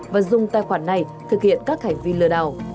và dùng tài khoản này thực hiện các hành vi lừa đảo